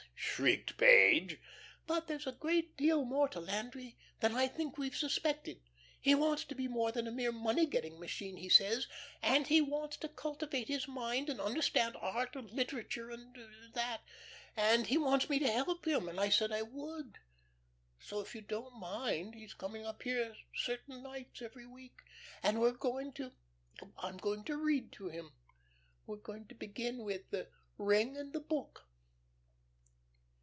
shrieked Page. "But there's a great deal more to Landry than I think we've suspected. He wants to be more than a mere money getting machine, he says, and he wants to cultivate his mind and understand art and literature and that. And he wants me to help him, and I said I would. So if you don't mind, he's coming up here certain nights every week, and we're going to I'm going to read to him. We're going to begin with the 'Ring and the Book.'"